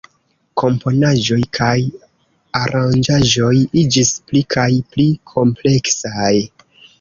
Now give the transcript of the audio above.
Komponaĵoj kaj aranĝaĵoj iĝis pli kaj pli kompleksaj.